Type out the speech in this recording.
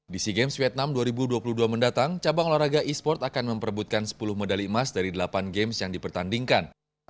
di sea games vietnam dua ribu dua puluh dua mendatang cabang olahraga e sports akan memperebutkan sepuluh medali emas dari delapan games yang dipertandingkan